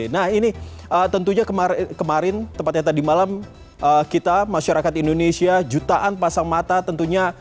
nah ini tentunya kemarin tempatnya tadi malam kita masyarakat indonesia jutaan pasang mata tentunya